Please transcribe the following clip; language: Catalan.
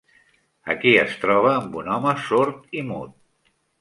Aquí es troba amb un home sord i mut.